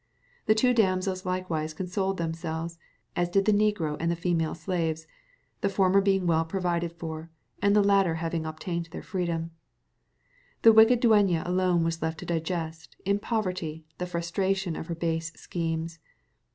The two damsels likewise consoled themselves, as did the negro and the female slaves, the former being well provided for, and the latter having obtained their freedom; the wicked dueña alone was left to digest, in poverty, the frustration of her base schemes.